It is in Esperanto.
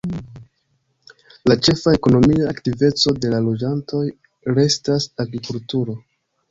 La ĉefa ekonomia aktiveco de la loĝantoj restas agrikulturo.